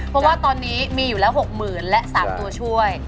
เพราะว่าตอนนี้มีอยู่แล้วหกหมื่นและสามตัวช่วย